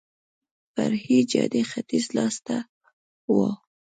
فرعي جادې ختیځ لاس ته وه.